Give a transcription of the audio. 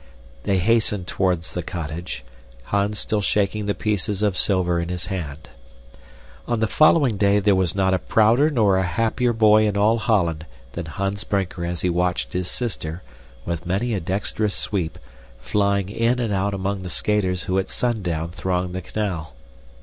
They hastened toward the cottage, Hans still shaking the pieces of silver in his hand. On the following day there was not a prouder nor a happier boy in all Holland than Hans Brinker as he watched his sister, with many a dexterous sweep, flying in and out among the skaters who at sundown thronged the canal.